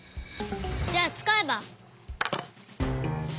じゃあつかえば。